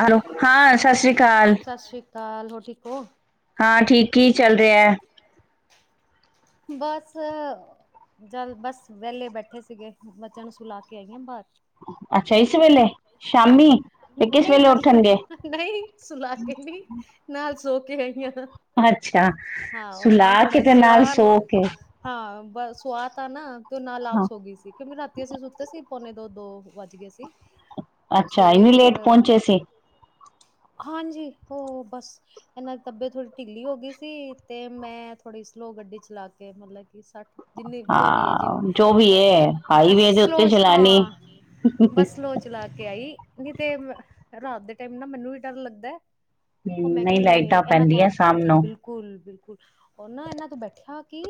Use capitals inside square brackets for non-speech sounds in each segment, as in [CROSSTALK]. Hello ਹਾਂ ਸਤਿ ਸ਼੍ਰੀ ਅਕਾਲ ਹਾ ਹੋਰ ਠੀਕ ਹੋ ਹਾਂ ਠੀਕ-ਠੀਕ ਚੱਲ ਰਿਹਾ ਹੈ। ਬਸ ਜੱਲ ਬਸ ਵਿਹਲੇ ਬੈਠੇ ਸੀਗੇ, ਬੱਚਿਆਂ ਨੂੰ ਸੁਲਾ ਕੇ ਆਈ ਹ ਬਾਹਰ ਅੱਛਾ ਇਸ ਨਹੀਂ ਮਤਲਬ ਨਹੀਂ ਸੁਲਾ ਕੇ ਨੀ ਨਾਲ ਸੋ ਕੇ ਹੈਗੀਆਂ। ਅੱਛਾ ਸੁਲਾ ਕੇ ਤੇ ਨਾਲ ਸੋ ਕੇ, ਬ ਸੁਵਾ ਤਾ ਆ ਨਾ ਤੇ ਨਾਲ ਆਪ ਸੋ ਹੋ ਗਈ ਸੀ, ਕਿਉਂਕਿ ਰਾਤੀ ਅਸੀਂ ਸੁੱਤੇ ਸੀ। ਪੋਨੇ ਦੋ ਦੋ ਵੱਜ ਗਏ ਸੀ। ਅੱਛਾ ਇਨੀ ਲੇਟ ਪਹੁੰਚੇ ਸੀ। ਹਾਂਜੀ ਉਹ ਬਸ ਇਹਨਾਂ ਦੇ ਤੱਬਤੀ ਥੋੜੀ ਢਿੱਲੀ ਹੋ ਗਈ ਸੀ ਤੇ ਮੈਂ ਥੋੜ੍ਹੀ ਸਲੋ ਗੱਡੀ ਚਲਾ ਕੇ ਮਤਲਬ ਕਿ ਸੱਠ ਹਾਂ ਜੋ ਵੀ ਹੈ, ਹਾਈਵੇ ਦੇ ਉੱਤੇ ਚਲਾਨੀ ਲਾ ਕੇ ਆਈ ਨਹੀਂ ਤੇ ਰਾਤ ਦੇ ਟਾਈਮ ਨਾ ਮੈਨੂੰ ਵੀ ਡਰ ਲੱਗਦਾ। ਉਹ ਮੈਂ ਕਿਹਾ ਨਹੀ ਇਹਨਾਂ ਕੋਲ ਬਿਲਕੁਲ ਬਿਲਕੁਲ, ਉਹ ਨਾ ਇਹਨਾਂ ਤੋਂ ਬੈਠੇ ਠਾ ਕਿ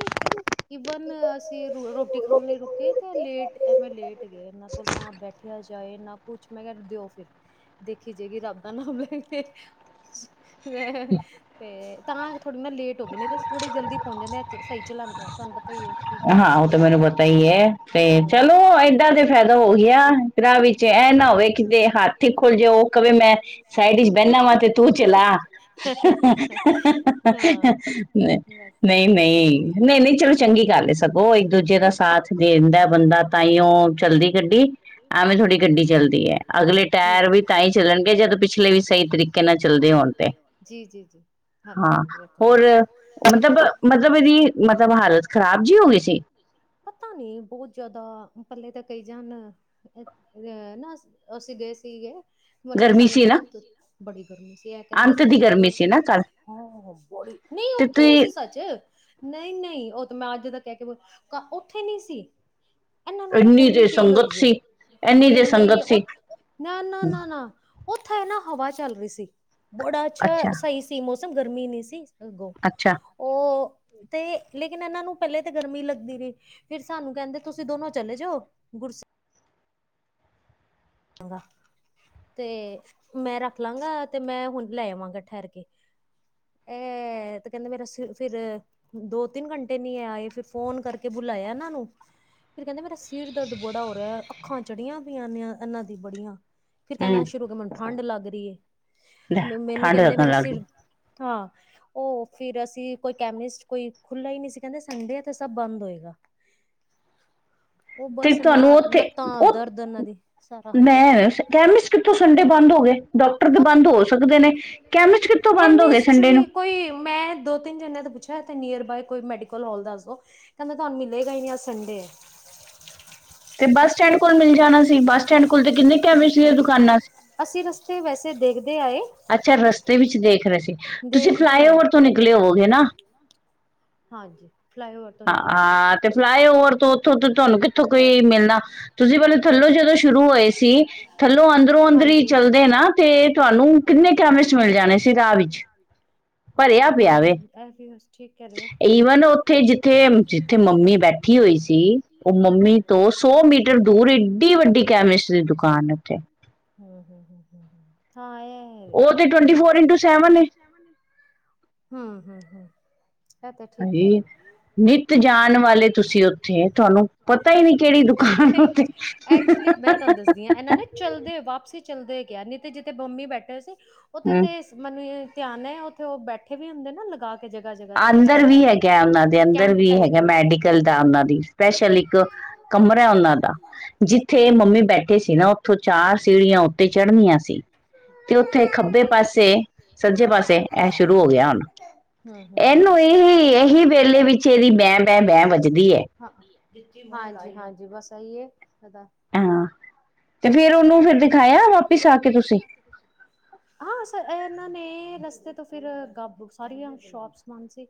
ਈਵਨ ਅਸੀਂ ਰੋਟੀ ਖਾਣ ਲਈ ਰੁਕੇ ਤੇ ਲੇਟ, ਐ ਮੈਂ ਲੇਟ, ਇਹਨਾਂ ਕੋਲ ਨਾ ਬੈਠਿਆ, ਜਾਏ, ਨਾ ਕੁੱਛ ਮੈਂ ਕਿਹਾ ਦਿਓ ਫਿਰ ਦੇਖੀ ਜਾਏਗੀ ਰੱਬ ਦਾ ਨਾਮ ਲੈ ਕੇ- ਤੇ, ਤਾਂ ਥੋੜ੍ਹੀ ਨਾ ਲੇਟ ਹੋ ਗਈ, ਨੇ ਤੇ ਥੋੜ੍ਹੀ ਜਲਦੀ ਪਹੁੰਚ ਜਾਂਦੇ ਅ ਸਹੀ ਚਲਾਂਦੇ ਤੁਹਾਨੂੰ ਪ ਹਾਂ ਉਹ ਤੇ ਮੈਨੂੰ ਪਤਾ ਹੀ ਹੈ ਤੇ ਚਲੋ ਏਦਾਂ ਤੇ ਫਾਇਦਾ ਹੋ ਗਿਆ ਤਰਾ ਵਿੱਚ ਚ ਨਾ ਹੋਵੇ, ਕਿਤੇ ਹੱਥ ਹੀ ਖੁਲ ਜਾਓ ਕਵੇ ਮੈਂ ਸਾਈਡ ਚ ਬਹਿਨਾ ਵਾਂ ਤੇ ਤੂੰ ਚਲਾ, ਨਹੀਂ ਨਹੀਂ ਨਹੀਂ ਨਹੀਂ ਚਲੋ ਚੰਗੀ, ਗੱਲ ਸਗੋ ਇੱਕ ਦੂਜੇ ਦਾ ਸਾਥ ਦੇ ਦਿੰਦਾ ਬੰਦਾ ਤਾਂ ਹੀ ਉਹ ਚਲਦੀ ਗੱਡੀ ਐਵੇਂ ਥੋੜ੍ਹੀ ਗੱਡੀ ਚੱਲਦੀ ਹੈ, ਅਗਲੇ ਟਾਇਰ ਵੀ ਤਾਂ ਹੀ ਚੱਲਣਗੇ ਜਦ ਪਿਛਲੇ ਵੀ ਸਹੀ ਤਰੀਕੇ ਨਾਲ ਚੱਲਦੇ ਹੋਣ ਤੇ, ਹਾਂ ਹੋਰ ਮਤਲਬ ਮਤਲਬ ਇਹਦੀ ਮਤਲਬ ਹਾਲਤ ਖ਼ਰਾਬ ਜੀ ਹੋ ਗਈ ਸੀ। ਪਤਾ ਨੀ ਬਹੁਤ ਜਿਆਦਾ ਪੱਲੇ ਤਾਂ ਕਈ ਜਾਣ ਅ ਨਾ ਅਸੀਂ ਗਏ ਸੀਗੇ ਮਨ ਸਾਨੂੰ ਕਹਦਾ ਬੜੀ ਗਰਮੀ ਸੀ ਇਹ ਕਹਿੰਦੇ ਤੁਸੀਂ ਦੋਨੋ ਚਲੋ ਬੜੀ ਨਹੀਂ ਉੱਥੇ ਨੀ ਸੀ ਸੱਚ ਨਹੀਂ-ਨਹੀਂ ਉਹ ਤਾਂ ਮੈਂ ਅੱਜ ਦਾ ਕਹਿ ਕੇ, ਉੱਥੇ ਨੀ ਸੀ। ਇੰਨੀ ਤੇ ਸੰਗਤ ਸੀ। ਹੋਰ ਇਨਾ ਹੀ ਉਹ ਨਾ-ਨਾ-ਨਾ-ਨਾ ਉੱਥੇ ਨਾ ਹਵਾ ਚੱਲ ਰਹੀ ਸੀ। ਬੜਾ ਅੱਛਾ ਸਹੀ ਸੀ, ਮੌ ਮੌਸਮ, ਗਰਮੀ ਨੀ ਸੀ। ਅਗੋ ਉਹ [INAUDIBLE] ਤੇ ਲੇਕਿਨ, ਇਹਨਾਂ ਨੂੰ ਪਹਿਲੇ ਤਾਂ ਗਰਮੀ ਲੱਗਦੀ ਰਹੀ, ਫਿਰ ਸਾਨੂੰ ਕਹਿੰਦੇ ਤੁਸੀਂ ਦੋਨੋ ਚਲੇ ਜੋ। ਗੁਰ ਤੇ ਮੈਂ ਰੱਖ ਲਾਂਗਾ, ਤੇ ਮੈਂ ਹੁਣ ਲੈ ਆਵਾਂਗਾ ਠਹਿਰ ਕੇ, ਇਹ ਤੇ ਕਹਿੰਦੇ ਮੇਰਾ ਫਿਰ ਦੋ ਤਿੰਨ ਘੰਟੇ ਨੀ ਆਏ, ਫਿਰ ਫੋਨ ਕਰਕੇ ਬੁਲਾਇਆ ਇਹਨਾਂ ਨੂੰ, ਫਿਰ ਕਹਿੰਦੇ ਮੇਰਾ ਸਿਰ ਦਰਦ ਬੜਾ ਹੋ ਰਿਹਾ। ਅੱਖਾਂ ਚੜੀਆਂ ਪਈਆਂ ਨੇ ਇਹਨਾਂ ਦੀ ਬੜੀਆਂ ਫੇਰ ਕਹਿੰਣਾ ਸ਼ੁਰੂ, ਕੇ ਮੈਨੂੰ ਠੰਢ ਲੱਗ ਗਰੀਏ [INAUDIBLE] ਲੈ, ਠੰਢ ਲਗਣ ਲੱਗ ਗਈ। ਹਾਂ, ਉਹ ਫਿਰ ਅਸੀਂ ਕੋਈ ਕੈਮਿਸਟ ਕੋਈ ਖੁਲਾ ਹੀ ਨਹੀਂ ਸੀ, ਕਹਿੰਦੇ ਸੰਡੇ ਤੇ ਸਭ ਬੰਦ ਹੋਏਗਾ। ਉਹ ਬਸ ਨਾ, ਲੱਤਾਂ ਦਰਦ ਇਹਨਾਂ ਦੀ ਸਾਰਾ ਚ ਵੀ ਕੋਈ ਮੈਂ ਦੋ ਤਿੰਨ ਜਣਿਆਂ ਦੇ ਪੁੱਛ [INAUDIBLE] ਤੇ ਨੀਅਰ ਬਾਏ ਕੋਈ ਮੈਡੀਕਲ ਹਾਲ ਦੱਸ ਦੋ, ਕਹਿੰਦੇ ਤੁਹਾਨੂੰ ਮਿਲੇਗਾ ਹੀ ਨਹੀਂ, ਅੱਜ ਸੰਡੇ ਐ। ਤੇ ਬੱਸ ਸਟੈਂਡ ਕੋਲ ਮਿਲ ਜਾਣਾ ਸੀ, ਬੱਸ ਸਟੈਂਡ ਕੋਲ ਤੇ ਕਿੰਨੇ ਕੈਮਿਸਟ ਦੁਕਾਨਾਂ ਸੀ। ਅਸੀਂ ਰਸਤੇ ਵੈਸੇ ਦੇਖਦੇ। ਅੱਛਾ, ਰਸਤੇ ਵਿੱਚ ਦੇਖ ਰਹੇ ਸੀ, ਤੁਸੀਂ ਫਲਾਈਓਵਰ ਤੋਂ ਨਿਕਲੇ ਹੋਵੋਗੇ ਨਾ ਹਾਂਜੀ, [INAUDIBLE] ਹਾਂ-ਹਾਂ ਤੇ ਫਲਾ ਆਏ, ਓਰ ਉੱਥੋਂ ਤੋਂ ਤੁਹਾਨੂੰ ਕਿ ਉੱਥੋਂ ਕੋਈ ਮਿਲਣਾ ਤੁਸੀਂ ਪਹਿਲ ਥੱਲੋਂ ਜਦੋਂ ਸ਼ੁਰੂ ਹੋਏ ਸੀ, ਥੱਲੋਂ ਅੰਦਰੋਂ ਅੰਦਰ ਹੀ ਚੱਲਦੇ ਨਾ, ਤੇ ਤੁਹਾਨੂੰ ਕਿੰਨੇ ਕੈਮਿਸਟ ਮਿਲ ਜਾਣੇ ਸੀ ਰਾਹ ਵਿੱਚ ਆਹ ਠੀਕ ਕਰਲੋ ਹੂੰ, [INAUDIBLE] ਸੌ ਮੀਟਰ ਦੂਰ, ਏਡੀ -ਵੱਡੀ ਕੈਮਿਸਟ ਦੀ ਦੁਕਾਨ ਹੈ ਉੱਥੇ। ਹਮ-ਹਮ-ਹਮ-ਹਮ, [UNINTELLIGIBLE] ਹਾਂ ਇਹ ਹੂੰ-ਹੂੰ-ਹੂੰ, [INAUDIBLE] ਹਾੰਜੀ, ਨਿੱਤ ਜਾਣ ਵਾਲੇ ਤੁਸੀਂ, ਉੱਥੇ ਤੁਹਾਨੂੰ ਪਤਾ ਹੀ ਨਹੀਂ ਕਿ ਨਹੀਂ, ਐਕਚੁਲੀ ਮੈਂ ਤੁਹਾਨੂੰ ਦੱਸਦੀ ਹਾਂ। ਇਹਨਾਂ ਨੇ ਚੱਲਦੇ ਵਾਪਸੀ ਚੱਲਦੇ ਕਿਹਾ ਨੀ ਤੇ ਜਿੱਥੇ ਬੋਮੀ ਬੈਠੇ ਹੋ ਸੀ। [INAUDIBLE] ਉਥੇ ਤੈ ਮੈਨੂੰ ਧਿਆਨ ਐ, ਉੱਥੇ ਉਹ ਬੈਠੇ ਵੀ ਹੁੰਦੇ ਨਾ ਲਗਾ ਕੇ ਅੰਦਰ ਵੀ ਹੈਗਾ, ਉਹਨਾਂ ਦੇ ਅੰਦਰ ਵੀ ਹੈਗਾ ਮੈਡੀਕਲ ਦਾ ਉਹਨਾਂ ਦੀ ਸਪੈਸ਼ਲ ਇੱਕ ਕਮਰਾ ਉਹਨਾਂ ਦਾ ਜਿੱਥ ਜੱਥੇ ਮੰਮੀ ਬੈਠੇ ਸੀ ਨਾ ਉੱਥੋਂ ਚਾਰ ਸੀੜੀਆਂ ਉੱਥਤੇ ਚੜ੍ਹਨੀਆਂ ਸੀ। ਤੇ ਉੱਥੇ ਖੱਬੇ ਪਾਸ ਤੇ ਸੱਜੇ ਪਾਸੇ ਇਹ ਸ਼ੁਰੂ ਹੋ ਗਿਆ ਹੁਣ। ਇਹਨੂੰ ਇਹੀ-ਇਹੀ ਵੇਲੇ ਵਿੱਚ ਇਹਦੀ ਬੈਂ-ਬੈਂ, ਬੈਂ ਵੱਜਦੀ ਹੈ। ਹਾਂਜੀ-ਹਾਂਜੀ ਬਸ ਆਹੀਏ। ਹਾਂ ਇਹਨਾਂ ਨੇ ਰਸਤੇ ਤੋਂ ਫਿਰ ਗੱ ਸਾਰੀਆਂ ਸ਼ੋਪਸ ਬੰਦ ਸੀ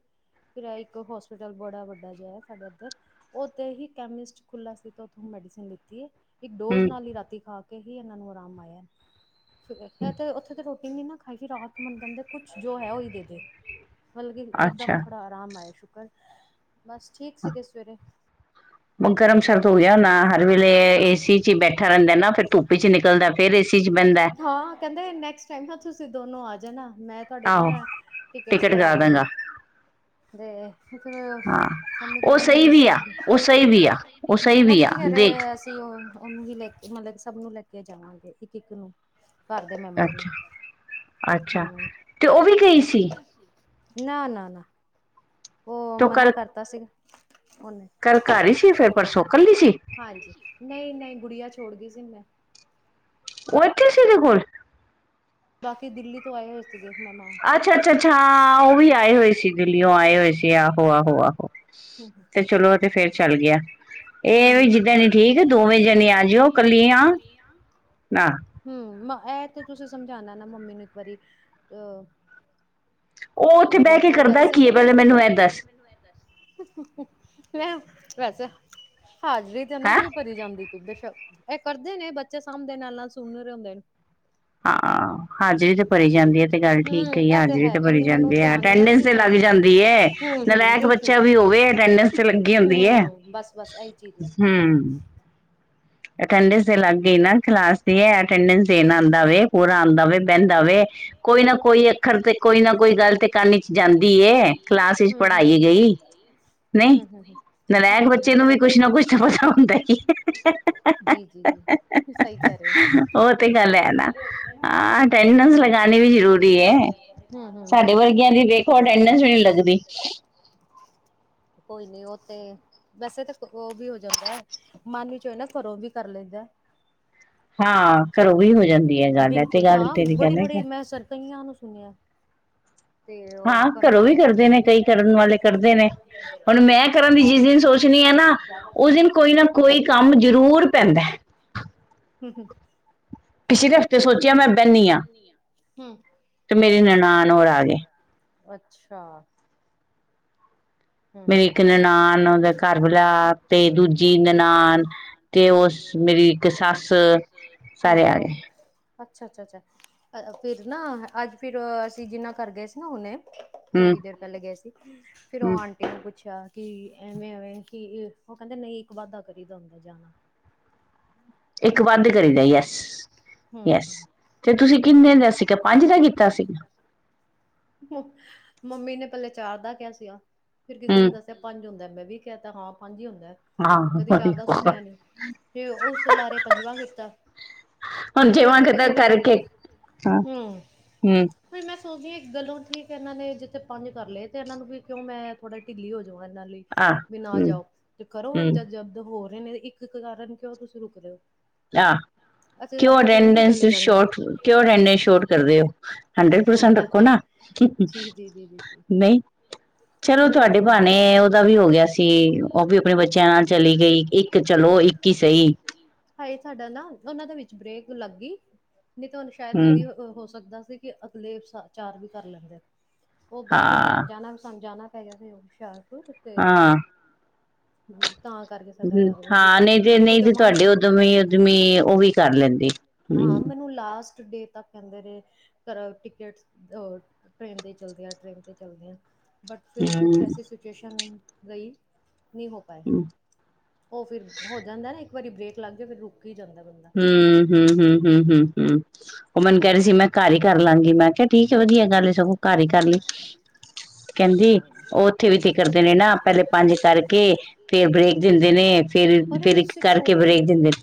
ਫਿਰ ਇੱਕ ਹੋਸਪੀਟਲ ਬੜਾ ਵੱਡਾ ਜਿਹਾ ਸਾਡੇ ਇੱਧਰ ਉਥ ਹੀ ਕੈਮਿਸਟ ਖੁੱਲ੍ਹਾ ਸੀ ਤਾਂ ਉੱਥੋਂ ਮੈਡੀਸਨ ਲਿੱਤੀ ਹੈ। ਇੱਕ ਡੋਜ਼ ਨਾਲ ਹੀ ਰਾਤੀ ਖਾ ਕੇ ਹੀ ਇਹਨਾਂ ਨੂੰ ਆਰਾਮ ਆਇਆ। ਹੈ ਤੇ ਉੱਥੇ ਤੇ ਰੋ ਕਿੰਦੀ ਨਾ ਖਾਈ ਸੀ ਰਾਤ ਮੰਣ ਦੇ ਕੁਛ ਜੋ ਹੈ ਉਹ ਹੀ ਦੇ ਦੇ। ਮਲ ਕੀ ਇੱਕਦਮ ਥੜਾ ਆਰਾਮ ਆਇਆ ਸ਼ [UNINTELLIGIBLE] ਬਸ ਠੀਕ ਸੀਗੇ ਸਵੇਰੇ। ਗਰਮ ਸਰਦ ਹੋ ਗਿਆ ਹਣਾ ਹਰ ਵੇਲੇ ਏਸੀ ਚ ਹੀ ਬੈਠਾ ਰਹਿੰਦਾ ਨਾ ਫਿਰ ਧੁੱਪੀ ਚ ਨਿਕਲਦਾ ਫੇਰ ਏਸੀ ਚ ਬੈਂਦਾ। ਦੋਨੋ ਆ ਜਾਣਾ। ਮੈਂ ਤੁਹਾਡੀੇ ਨਾ ਟਿਕਟਸ ਕਰਾ ਦਾਗਾ ਤੇ ਫਿਰ ਮੰਮੀ ਕਹਿੰਦੇ ਨਹੀਂ ਸਭ ਮੰਮੀ ਕਹਿ ਰਹੇ ਅਸੀਂ ਉਹ ਉਹਨੂੰ ਵੀ ਲੈ ਮਲਬ ਸਭ ਨੂੰ ਲੈ ਕੇ ਜਾਵਾਂਗੇ ਇੱਕ-ਇੱਕ ਨੂੰ। ਅੱਛਾ-ਅੱਛਾ ਤੇ ਉਹ ਵੀ ਗਈ ਸੀ? ਨਾ-ਨਾ, ਨਾ। ਉਹ ਮਨਾ ਕਰਤਾ ਸੀ ਉਨੇ ਹਾਂਜੀ ਨਹੀਂ-ਨਹੀਂ ਗੁੜੀਆਂ ਚ ਛੋੜ ਗਈ ਸੀ ਮੈਂ। ਉਹ ਇੱਥੇ ਸੀ ਇਹਦੇ ਕੋਲ। ਬਾਕੀ ਦਿੱਲੀ ਤੋਂ ਆਏ ਹੋਏ ਅੱਛਾ-ਅੱਛਾ, ਅੱਛਾ ਹਾਂ ਉਹ ਵੀ ਆਏ ਹੋਏ ਸੀ ਦਿੱਲੀਓ ਆਏ ਹੋਏ ਸੀ ਆਹੋ-ਆਹੋ, ਆਹੋ ਤੇ ਚਲੋ ਤੇ ਫੇਰ ਚੱਲ ਗਿਆ ਇਹ ਵੀ ਜਿੱਦਾਂ ਨ ਠੀਕ ਦੋਵੇਂ ਜਣੇ ਆ ਜਿਓ ਕੱਲੀਆ ਨਾ [UNINTELLIGIBLE] ਨਾ ਮੰਮੀ ਨੂੰ ਇੱਕ ਵਾਰੀ ਅਹ ਮੰ ਉਹ ਕਹਿ ਰਹੇ ਮੈ ਪੈਸੇ ਹਾਜ਼ਰੀ ਤੇ ਉਹਨਾਂ ਦੀ ਵੀ ਭਰੀ ਜਾਂਦੀ ਬੇਸ਼ੱਕ ਇਹ ਕਰਦੇ ਨੇ ਬੱਚੇ ਸਾਂਭਦੇ ਨਾਲ ਨਾਲ ਸੁਣਨ ਰਹੇ ਹੁੰਦੇ ਨੇ ਹਾਂ ਹਾਜ਼ਰੀ ਤੇ ਭਰੀ ਜਾਂਦੀ ਹੈ ਤੇ ਗੱਲ ਠੀਕ ਹੈਈ ਆ ਹਾਜ਼ਰੀ ਤੇ ਭਰੀ ਜਾਂਦੀ ਆ ਅਟੈਂਡੈਂਸ ਤੇ ਲੱਗ ਜਾਂਦੀ ਹੈ ਨਲਾਇਕ ਬੱਚਾ ਵੀ ਹੋਵੇ ਅਟੈਂਡੈਂਸ ਤੇ ਲੱਗੀ ਹੁੰਦੀ ਹੈ ਹਮ ਅਟੈਂਡੈਂਸ ਦੇ ਅੱਗ ਹੀ ਨਾ ਕਲਾਸ ਦੀ ਹੈ ਅਟੈਂਡੈਂਸ ਦੇਣ ਆਉਂਦਾ ਵਵੇ ਪੂਰਾ ਆਉਂਦਾ ਵਵੇ ਬਹਿੰਦਾ ਵਵੇ ਕੋਈ ਨਾ ਕੋਈ ਅੱਖਰ ਤੇ ਕੋਈ ਨਾ ਕੋਈ ਗੱਲ ਤੇ ਕੰਨ ਚ ਜਾਂਦੀ ਹੈ ਕਲਾਸ ਵਿੱਚ ਪੜ੍ਹਾਈ ਗਈ ਨਹੀਂ ਨਰਾਇਕ ਬੱਚੇ ਨੂੰ ਵੀ ਕੁਛ ਨਾ ਕੁਛ ਤਾਂ ਪਤਾ ਹੁੰਦਾ ਕੀ ਜੀ ਜੀ ਜੀ ਸਹੀ ਕਹਿ ਰਹੇ ਹੋ ਸਹੀ ਕਿਹਾਹਿ ਰਹੇ ਸਾਡੇ ਵਰਗੀਆਂ ਦੀ ਦੇਖੋ ਅਟੈਂਡੈਂਸ ਵੀ ਨਹੀਂੀ ਲੱਗਦੀ ਤੇ ਵੈਸੇ ਤਾਂ ਉਹ ਵੀ ਹੋ ਜਾਂਦਾ ਮਨ ਵਿੱਚ ਹੋਏ ਨਾ ਘਰੋਂ ਵੀ ਕਰ ਲੈਂਦਾ ਹਾਂ ਘਰੋਂ ਵੀ ਹੋ ਜਾਂਦੀ ਹੈ ਗੱਲ ਤੇ ਗੱਲ ਤੇ ਵੀ ਕਹਿ ਲ ਹਾਂ ਘਰੋਂ ਵੀ ਕਰਦੇ ਨੇ ਕਈ ਕਰਨ ਵਾਲੇ ਕਰਦੇ ਨੇ ਹੁਣ ਮੈਂ ਕਰਨਾਂ ਦੀ ਜਿਸ ਦਿਨ ਸੋਚਣੀ ਹੈ ਨਾ ਉਸ ਦਿਨ ਕੋਈ ਨਾ ਕੋਈ ਕੰਮ ਜ਼ਰੂਰ ਪੈਂਦਾ [UNINTELLIGIBLE] ਨਨਾਾਨ ਹੋਰ ਆ ਗਏ ਅੱਛਾ ਮੇਰੀ ਇੱਕ ਨਨਾਾਨ ਉਹਦਾ ਘਰ ਵਿਲਾ ਤੇ ਦੂਜੀ ਨਨਾਾਨ ਤੇ ਉਸ ਮੇਰੀ ਇੱਕ ਸੱਸ ਸਾਰੇ ਆ ਗਏ ਅੱਛਾ ਅੱਛਾ ਅੱਛਾ ਫਿਰ ਨਾ ਅੱਜ ਫਿਰ ਅਸੀਂ ਜਿੰਨਾ ਕਰ ਗਏ ਸੀ ਨਾ ਹੁਨੇ ਥੋੜ੍ਹੀ ਦੇਰ ਪਹਿਲੇ ਗਏ ਸੀ ਫੇਿਰ ਉਹ ਆਉਣ ਪੁੱਛਿਆ ਕਿ ਐਵੇਂ ਐਵੇਂ ਕਿ ਉਹ ਕਹਿੰਦੇ ਨਹੀਂ ਇੱਕ ਵਾਧਾ ਕਰੀਦਾ ਹੁੰਦਾ ਜਾਣਾ ਮੰਮੀ ਨੇ ਪੱਲੇ ਚਾਰ ਦਾ ਕਿਆ ਸੀਗਾ ਫੇਰ ਕਿਸੇ ਨੇ ਦੱਸਿਆ ਪੰਜ ਹੁੰਦਾ ਮੈਂ ਵੀ ਕਹਿ ਤਾਂ ਹਾਂ ਪੰਜ ਹੁੰਦਾ ਕਦੇ ਚਾਰ ਦਾ ਸੁਣਿਆ ਨੀ ਤੇ ਉਸ ਲਾਰੇ ਪੰਜਵਾਂ ਕੀਤਾ ਫਿਰ ਉੱਥੇ ਕਿਸੇ ਨੇ ਬੈਠੇ ਹਮ ਮੈਂ ਗੱਲੋਂ ਠੀਕ ਇਹਨਾਂ ਨੇ ਜਿੱਥੇ ਪੰਜ ਕਰ ਲਏ ਤੇ ਇਹਨਾਂ ਨੂੰ ਵੀ ਕਿਉਂ ਮੈਂ ਥੋੜੇ ਢਿੱਲੀ ਹੋ ਜਾ ਇਹਨਾਂ ਲਈ ਵੀ ਨਾ ਜਾਓ ਤੇ ਕਰੋ ਜਾਂ ਜਦ ਹੋਰ ਨੇ ਇੱਕ ਕਾਰਨ ਕਿਉਂ ਤੁਸੀਂ ਰੁਕ ਰ ਹੋ ਆਹ ਕਿਉਂ ਅਟੈਂਡੈਂਸ ਸ਼ੋਰਟ ਕਿਉ ਅਟੈਂਡੈਂਸ ਸ਼ੋਰਟ ਕਰਦੇ ਹੋ ਹੰਡਰਡ ਪਰਸੈਂਟ ਰੱਖੋ ਨਾ ਨਹੀਂ ਚਲੋ ਤੁਹਾਡੇ ਭਾਣੇ ਉਹਦਾ ਵੀ ਹੋ ਗਿਆ ਸੀ ਉਹ ਵੀ ਆਪਣੇ ਬੱਚਿਆਂ ਨਾਲ ਚਲੀ ਗਈ ਇੱਕ ਚਲੋ ਇੱਕ ਹੀ ਸਹੀ ਹਾਏ ਸਾਡਾ ਨਾ ਉਹਨਾਂ ਦੇ ਵਿੱਚ ਬ੍ਰੇਕ ਲੱਗ ਗਈ ਨਹੀਂ ਤੁਹਾਨੂੰ ਸ਼ਾਇਦ ਦੀਦੀ ਹੋ ਸਕਦਾ ਕਿ ਅਗਲੇ ਚਾਰ ਵੀ ਕਰ ਲੈਂਦੇ ਆ ਉਹ, ਬਸ ਫਿਰ ਲੈਣ ਜਾਣਾ ਜਾਣਾ ਪੈ ਗਿਆ ਸੀ, ਸ਼ਹਿਰ। ਹਾਂ। ਹਮ [UNINTELLIGIBLE] ਹਾਂ, ਨਹੀਂ ਤੇ ਨਹੀਂ ਤੇ ਤੁਹਾਡੇ ਉਦਮੀ -ਉਦਮੀ ਉਹ ਵੀ ਕਰ ਲੈਂਦੇ ਹਮ ਡੇ ਤੱਕ ਕਹਿੰਦੇ ਰਹੇ ਟਿਕਟ ਟ੍ਰੇਨ ਤੇ ਚੱਲਦੇ ਆ ਟਨ ਤੇ ਚੱਲਦੇ ਆ ਬਟ ਫਿਰ ਕੁਛ ਐਸੀ ਸਿਚੁਏਸ਼ਨ ਨਹੀਂਹੀਂ [INAUDIBLE] ਨਹੀਂ ਹੋ ਪਾਏ, ਉਹ ਫਿਰ ਹੋ ਜਾਂਦਾ ਨਾ ਇਕ ਵਾਰੀ ਬ੍ਰਕ ਲਗ ਗ ਫਿਰ ਰੁ ਹਮ, ਹਮ, ਹਮ, ਹਮ, ਹਮ, ਹਮ। ਉਹ ਮੈਨੂੰ ਕਹਿ ਰਹੀ ਸੀ, ਮੈਂ ਘਰ ਹੀ ਕਰ ਲਾਂਗੀ ਮੈਂ ਕਿਹਾ, ਠੀਕ ਹੈ ਵਧੀਆ ਗੱਲ ਸਗੋਂ ਘਰ ਹੀ ਕਰ ਲਈ, ਕਹਿੰਦੀ ਉਹ ਉੱਥੇ ਵੀ ਤੇ ਕਰਰਦੇ ਨੇ ਨਾ, ਪਹਿਲੇ ਪੰਜ ਕਰਕੇ ਫਿਰ ਬ੍ਰੇਕ ਦਿੰਦੇ ਨੇ, ਫਰ ਫਿਰ ਕਰਕੇ ਬ੍ਰੇਕ ਦਿੰਦੇ ਨੇ।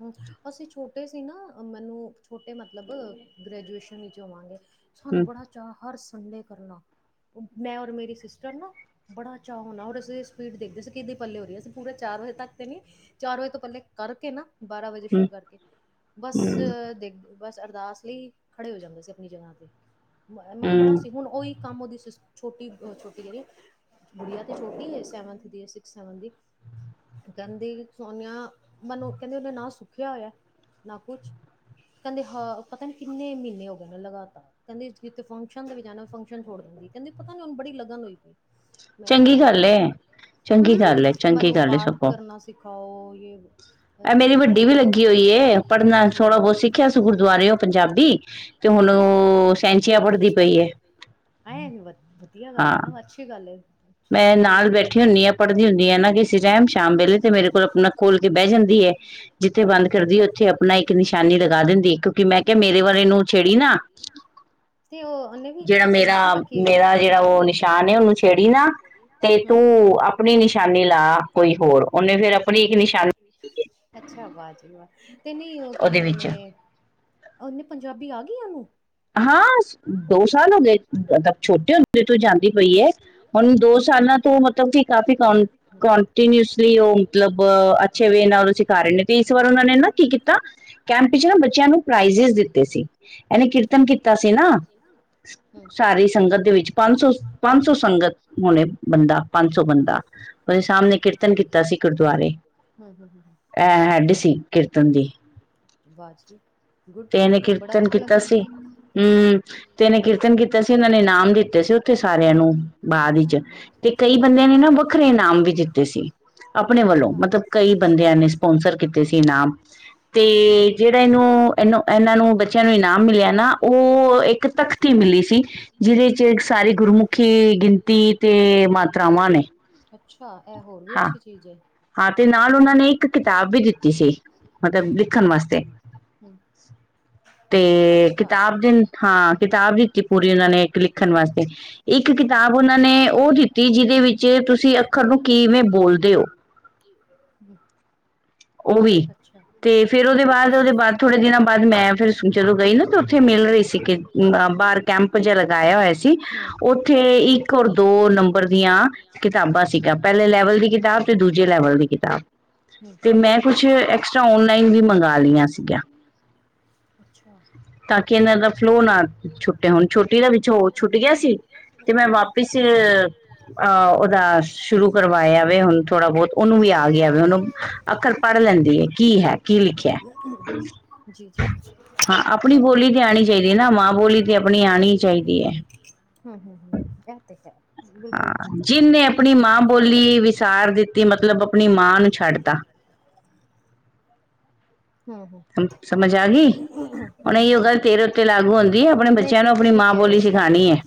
ਹਮ ਅਸੀਂ ਛੋਟ [INAUDIBLE] ਛੋਟੇ ਸੀ ਨਾ, ਮੈਨੂੰ ਛੋਟੇ ਮਤਲਬ ਮਤਲਬ ਗ੍ਰੈਜੂਏਸ਼ਨ ਹੀ ਚਵਾਂਗੇ [INAUDIBLE] ਸਾਨੂੰ ਬੜਾ ਚਾਅ, ਹਰ ਸੰਡੇ ਕਰਨਾ, ਮੈਂ ਔਰ ਮੇਰੀ ਸਿਸਟਰ ਨਾ ਬੜਾ ਚਾਅ ਹੋਣਾ ਔਰ ਅਸੀਂ ਸਪੀਡ ਦੇਖਦੇ, ਅਸੀਂ ਕਿਦੇ ਪੱਲੇ ਹੋ ਰਹੀ ਅਸੀਂ ਪੂਰੇ ਚਾਰ ਵਜੇ ਤੱਕ ਤੇ ਨਹੀਂ, ਚਾਰ ਵਜੇ ਤੋਂ ਪੱਲੇ ਕਰਕੇ ਨਾ ਬਾਰਾਂ ਵਜੇ ਸ਼ੁਰੂ ਕਰਕੇ, ਬਸ ਦੇਖਦੇ ਬਸ ਅਰਦਾਸ ਲਈ ਖੜੇ ਹੋ ਜਾਂਦੇ ਸੀ, ਆਪਣੀ ਜਗ੍ਹਾ ਤੇ ਅ ਮਤਲਬ ਬੜਾ ਸੀ ਹੁਣ ਉਹੀ ਕੰਮ ਉਹਦੀ ਛੋਟੀ ਛੋਟੀ ਜਿਹੀ, ਗੂੜੀਆ ਤੇ ਛੋਟੀ ਸਵ ਦੀਵ ਦੀ ਕਹਿੰਦੀ ਸੋਨਿਆ ਮਨ ਕਹਿੰਦੇ ਉਹਨੇ ਨਾ ਸੁੱਖਿਆ ਹੋਇਆ ਨਾ ਕੁਛ ਕਹਿੰਦੇ ਹਾਂ ਪਤਾ ਨੀ ਕਿਨੇ ਮਹੀਨੇ ਹੋ ਗਏ ਨੇ, ਲਗਾਤਾਰ ਕਹਿੰਦੇ ਜਿੱਥੇ ਫੰਕਸ਼ਨ ਦੇ ਵਿੱਚ ਜਾਣਾ ਫੰਕਸ਼ਨ ਛੋੜ ਜਾਂਦੀ, ਕਹਿੰਦੇ ਪਤਾ ਨੀ ਹੁਣ ਬੜੀ ਲਗਨ ਹੋਈ ਪਈ। ਮੈਂ ਚੁਪਹਿਰੇ ਕਰਨੀ, ਹਮ ਮੈਨੂੰ ਪਾਠ ਕਰਨਾ ਸਿੱਖ ਹੋ ਇਹ [INAUDIBLE] ਇਹ ਮੇਰੀ ਵੱਡੀ ਵੀ ਲੱਗੀ ਹੋਈ ਏ, ਪੜ੍ਹਨਾ ਥੋੜਾ ਬਹੁਤ ਸਿੱਖਿਆ ਸੀ ਗੁਰਦੁਆਰੇ ਉਹ ਪੰਜਾਬੀ, ਤੇ ਹੁਣ ਉਹ ਸੈਂਚੀਆਂ ਪੜ੍ਹਦੀ ਪਈ ਏ। ਵਧੀਆ ਗੱਲ ਹੈ ਨਾ, ਅੱਛੀ ਗੱਲ ਏ। ਮੈਂ ਨਾਲ ਬੈਠੀ ਹੁੰਨੀ ਹਾਂ ਪੜ੍ਹਦੀ ਹੁੰਦੀ ਹ ਨਾ ਕਿਸੇ ਟਾਈਮ ਸ਼ਾਮ ਵੇਲੇ ਤੇ ਮੇਰੇ ਕੋਲ ਆਪਣਾ ਖੋਲ੍ਹ ਕੇ ਬਹਿ ਜਾਂਦੀ ਹੈ, ਜਿੱਥੇ ਬੰਦ ਕਰਦੀ ਹੈ, ਉੱਥੇ ਆਪਣਾ ਇੱਕ ਨਿਸ਼ਾਨੀ ਲਗਾ ਦਿੰਦੀ ਕਿਉਂਕਿ, ਮੈਂ ਕਿਹਾ ਮੇਰੇ ਵਾਲੇ ਨੂਂ ਛੇੜੀ ਨਾ, ਜਿਹੜਾ ਮੇਰਾ ਮੇਰਾ ਜਿਹੜਾ ਉਹ ਨਿਸ਼ਾਨ ਹੈ ਉਹਨੂੰ ਛੇੜੀ ਨਾ। ਤੇ ਤੂੰ ਆਪਣੀ ਨਿਸ਼ਾਨੀ ਲਾ ਕੋਈ ਹੋਰ, ਉਹਨੇ ਫਿਰ ਆਪਣੀ ਇੱਕ ਨਿਸ਼ਾਨੀ ਉਹਦੇ ਵਿੱਚ ਐਨੀ ਪੰਜਾਬੀ ਆ ਗਈ ਉਹਨੂੰ? ਹਾਂ ਦੋ ਸਾਲ ਹੋ ਗਏ ਮਤਲਬ ਛੋਟੇ ਹੁੰਦੇ ਤੋਂ ਜਾਂਦੀ ਪਈ ਹੈ ਹੁਣ ਦੋ ਸਾਲਾਂ ਤੋਂ ਮਤਲਬ ਕਿ ਕਾਫ਼ੀ ਕ ਕੋਂਟੀਨਿਊਸਲੀ ਉਹ ਮਤਲਬ ਅੱਛੇ ਵੇ ਨਾਲ ਸਿਖਾ ਰਹੇ ਨੇ ਤੇ ਇਸ ਵਾਰ ਉਹਨਾਂ ਨੇ ਨਾ ਕੀ ਕੀਤਾ ਕੈਂਪ ਵਿੱਚ ਨਾ ਬੱਚਿਆਂ ਨੂੰ ਪ੍ਰਾਈਜ ਦਿੱਤੇ ਸੀ ਇਹਨੇ ਕਿਰ ਕੀਰਤਨ ਕੀਤਾ ਸੀ ਨਾ ਸਾਰੀ ਸੰਗਤ ਦੇ ਵਿੱਚ ਪੰਜ ਸੌ ਪੰਜ ਸੌ ਸੰਗਤ ਹੋਣੇ ਬੰਦਾ ਪੰਜ ਸੌ ਬੰਦਾ ਉਹਦੇ ਸਾਹਮਣੇ ਕੀਰਤਨ ਕੀਤਾ ਸੀ ਗੁਰਦੁਆਰੇ ਇਹ ਹੈਡ ਸੀ ਕੀਰਤਨ ਦੀ ਗੁੱਡ ਬੜਾ ਅੱਛਾ ਲੱਗਿਆ ਹਮ ਤੇ ਇਹਨੇ ਕੀਰਤਨ ਕੀਤਾ ਸੀ ਉਹਨਾਂ ਨੇ ਇਨਾਮ ਦਿੱਤੇ ਸੀ ਉੱਥੇ ਸਾਰਿਆਂ ਨੂੰ ਬਾਅਦ ਵਿੱਚ ਤੇ ਕਈ ਬੰਦਿਆਂ ਨੇ ਨਾ ਵੱਖਰੇ ਇਨਾਮ ਵੀ ਦਿੱਤੇ ਸੀ ਆਪਣੇ ਵੱਲੋਂ ਮਤਲਬ ਕਈ ਬੰਦਿਆਂ ਨੇ ਸਪੋਂਸਰ ਕੀਤੇ ਸੀ ਇਨਾਮ ਤੇ ਜਿਹੜਾ ਇਹਨੂੰ ਇਹਨ ਇਹਨਾਂ ਨੂੰ ਬੱਚਿਆਂ ਨੂੰ ਇਨਾਮ ਮਿਲਿਆ ਉਹ ਇੱਕ ਤਖਤੀ ਮਿਲੀ ਸੀ ਜਿਹਦੇ ਚ ਸਾਰੀ ਗੁਰਮੁਖੀ ਗਿਣਤੀ ਤੇ ਮਾਤਰਾਵਾਂ ਨੇ ਹਾਂ ਹਾਂ ਤੇ ਨਾਲ ਉਹਨਾਂ ਨੇ ਇੱਕ ਕਿਤਾਬ ਵੀ ਦਿੱਤੀ ਸੀ ਮਤਲਬ ਲਿਖਣ ਵੇ ਅੱਛਾ ਹਾਂ ਕਿਤਾਬ ਦਿੱਤੀ ਪੂਰੀ ਉਹਨਾਂ ਨੇ ਇੱਕ ਲਿਖਣ ਵਾਸਤੇ ਇੱਕ ਕਿਤਾਬ ਉਹਨਾਂ ਨੇ ਉਹ ਦਿੱਤੀ ਜਿਹਦੇ ਵਿੱਚ ਤੁਸੀਂ ਅੱਖਰ ਨੂੰ ਕਿਵੇਂ ਬੋਲਦੇ ਹੋ ਹਮ ਉਹ ਵੀ ਤੇ ਫੇਿਰ ਉਹ ਦੇ ਬਾਅਦ ਉਹਦੇ ਬਾਅਦ ਥੋੜੇ ਦਿਨਾਂ ਬਾਅਦ ਮੈਂ ਫਿਰ ਜਦੋਂ ਗਈ ਨਾ ਤੇ ਉੱਥੇ ਮਿਲ ਰਹੀ ਸੀ ਕਿ ਅ ਬਾਹਰ ਕੈਂਪ ਜਿ ਲਗਾਇਆ ਹੋਇਆ ਸੀ ਉੱਥੇ ਇੱਕ ਔਰ ਦੋ ਨੰਬਰ ਦੀਆਂ ਕਿਤਾਬਾਂ ਸੀਗਾ ਪਹਿਲੇ ਲੈਵਲ ਦੀ ਕਿਤਾਬ ਤੇ ਦੂਜੇ ਲੈਵਲ ਦੀ ਕਿਤਾਬ ਤੇ ਮੈਂ ਕੁਛ ਐਕਸਟਰਾ ਔਨਲਾਈਨ ਵੀ ਮੰਗਵਾ ਲਈਆਂ ਸੀਗ ਤਾਂ ਕਿ ਇਹਨਾਂ ਦਾ ਫਲੋ ਨਾ ਛੁੱਟੇ ਹੁਣ ਛੋੱਟੀ ਦਾ ਵਿੱਚੋਂ ਉਹ ਛੁੱਟ ਗਿਆ ਸੀ ਤੇ ਮੈਂ ਵਾਪਿਸ ਅਹ ਉਹਦਾ ਸ਼ੁਰੂ ਕਰਵਾਇਆ ਵ ਹੁਣ ਥੋੜ੍ਹਾ ਬਹੁਤ ਉਹਨੂੰ ਵੀ ਆ ਗਿਆ ਵ ਉਹਨੂੰ ਅੱਖਰ ਪੜ੍ਹ ਲੈਂਦੀ ਹੈ ਕੀ ਹੈ ਕੀ ਲਿਖਿਆ ਹਾਂ ਆਪਣੀ ਬੋਲੀ ਤੇ ਆਉਣੀ ਚਾਹੀਦੀ ਨਾ ਮਾਂ ਬੋਲੀ ਤੇ ਆਪਣੀ ਆਉਣੀ ਚਾਹੀਦੀ ਹੈ ਬਿਲਕੁਲ ਠੀਕ ਆ ਜਿੇ ਆਪਣੀ ਮਾਂ ਬੋਲੀਾਰ ਦਿੱਤੀ ਮਤਲਬ ਆਪਣੀ ਮਾਂ ਨੂੰ ਛੱਡ ਸਮਝ ਆ ਗਈ ਹੁਣ ਇ ਉਹ ਗੱਲ ਤੇਰੇ ਉੱਤੇ ਲਾਗੂ ਹੁੰਦੀ ਹੈ ਆਪਣੇ ਬੱਚਿਆਂ ਨੂੰ ਆਪਣੀ ਮਾਂ ਬੋਲੀ ਸਿਖਾਉਣੀ ਹੈ